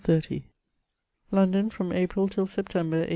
«i London, from April till September, 1822.